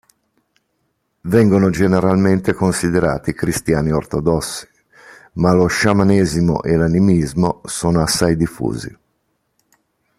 Vengono generalmente considerati cristiani ortodossi, ma lo sciamanesimo e l'animismo sono assai diffusi.